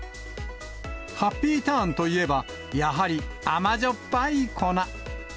ハッピーターンといえば、やはり甘じょっぱい粉。